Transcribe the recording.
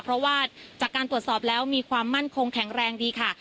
เพราะว่าจากการตรวจสอบแล้วมีความมั่นคงแข็งแรงดีค่ะ